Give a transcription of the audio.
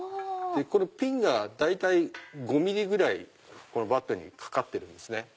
ピンが大体５ｍｍぐらいバットにかかってるんですね。